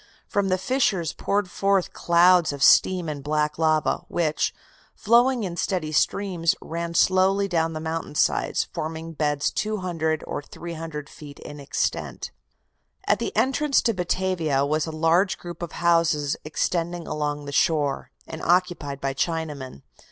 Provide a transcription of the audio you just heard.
From the fissures poured forth clouds of steam and black lava, which, flowing in steady streams, ran slowly down the mountain sides, forming beds 200 or 300 feet in extent. At the entrance to Batavia was a large group of houses extending along the shore, and occupied by Chinamen.